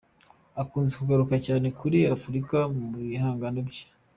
Akunze kugaruka cyane kuri Afurika mu bihangano bye.